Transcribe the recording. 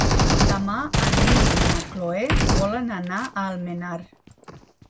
Demà en Nil i na Cloè volen anar a Almenar.